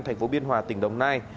thành phố biên hòa tỉnh đồng nai